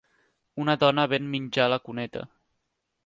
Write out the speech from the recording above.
Una dona ven menjar a la cuneta.